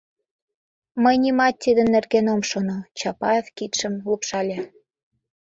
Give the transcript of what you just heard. — Мый нимат тидын нерген ом шоно, — Чапаев кидшым лупшале.